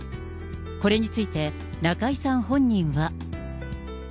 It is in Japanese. これについて、中居さん本人は。